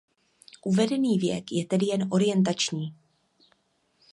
Uvedený věk je tedy jen orientační.